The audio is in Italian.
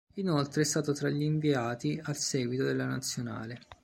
Inoltre è stato tra gli inviati al seguito della Nazionale.